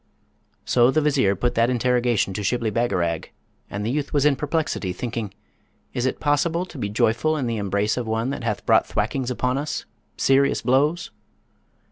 So the Vizier put that interrogation to Shibli Bagarag, and the youth was in perplexity; thinking, 'Is it possible to be joyful in the embrace of one that hath brought thwackings upon us, serious blows?'